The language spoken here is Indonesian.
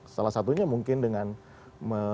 salah satunya mungkin dengan